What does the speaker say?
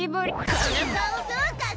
この顔どうかな？